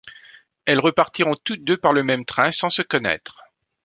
Elles repartiront toutes deux par le même train, sans se connaître.